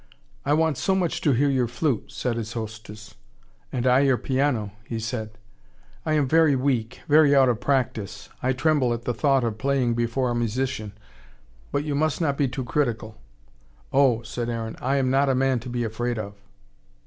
"I want so much to hear your flute," said his hostess. "And I your piano," he said. "I am very weak very out of practise. I tremble at the thought of playing before a musician. But you must not be too critical." "Oh," said Aaron, "I am not a man to be afraid of."